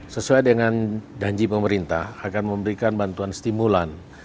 sesuai dengan janji pemerintah akan memberikan bantuan stimulan